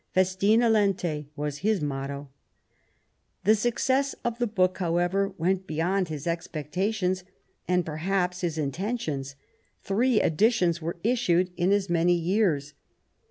Festina lente was his motto. The success of the book, however, went beyond his expectations and perhaps his in tentions. Three editions were issued in as many years.